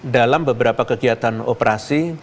dalam beberapa kegiatan operasi